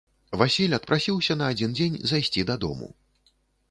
Васіль адпрасіўся на адзін дзень зайсці дадому.